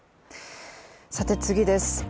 次です。